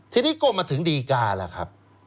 ทีนี้ก็มาถึงดีกาแล้วครับ